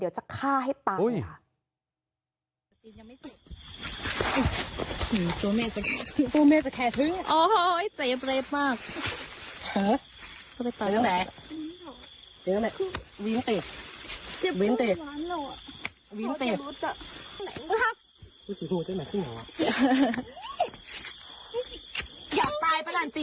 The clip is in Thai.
ฮึวก็ไปเจ้าแม็กซ์เจ้าแม็กซ์วิ้งเตศวิ้งเตศวิ้งเตศ